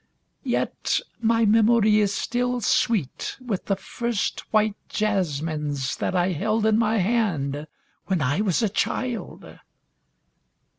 Yet my memory is still sweet with the first white jasmines that I held in my hand when I was a child.